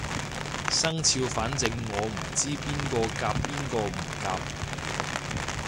生肖反正我唔知邊個夾邊個唔夾